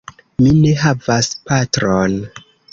Mi ne havas patron.